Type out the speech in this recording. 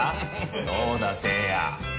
どうだせいや。